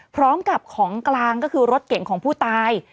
พร้อมกับของกลางก็คือรถเก่งของผู้ตาย